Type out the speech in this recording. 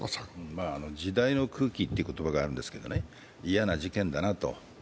時代の空気っていう言葉があるんですけど嫌な時代だなと。